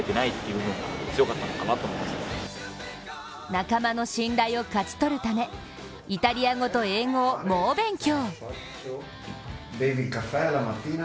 仲間の信頼を勝ち取るためイタリア語と英語を猛勉強。